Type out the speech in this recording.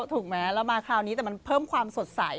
ถูกไหมเรามาคราวนี้แต่มันเพิ่มความสดใส